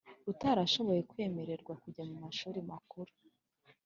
utarashoboye kwemererwa kujya mu mashuri makuru